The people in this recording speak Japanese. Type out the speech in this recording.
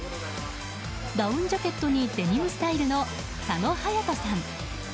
ダウンジャケットにデニムスタイルの佐野勇斗さん。